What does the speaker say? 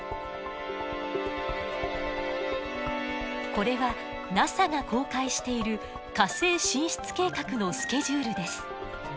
これはＮＡＳＡが公開している火星進出計画のスケジュールです。